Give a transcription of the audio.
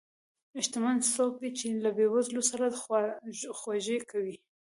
شتمن څوک دی چې له بې وزلو سره خواخوږي کوي.